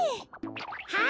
はい！